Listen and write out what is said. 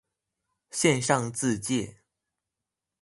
線上自介